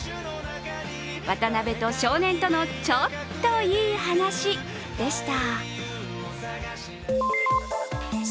渡邊と少年とのちょっといい話でした。